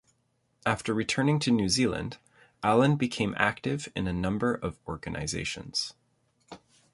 After returning to New Zealand, Allen became active in a number of organisations.